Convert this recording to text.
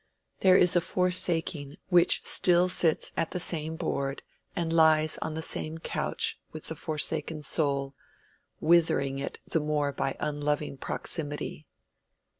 There is a forsaking which still sits at the same board and lies on the same couch with the forsaken soul, withering it the more by unloving proximity.